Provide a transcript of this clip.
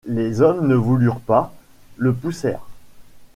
Les hommes ne voulurent pas, le poussèrent.